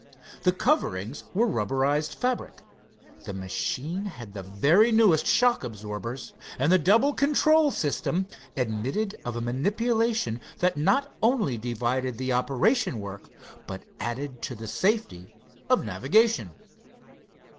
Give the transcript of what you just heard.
The coverings were rubberized fabric, the machine had the very newest shock absorbers, and the double control system admitted of a manipulation that not only divided the operation work, but added to the safety of navigation.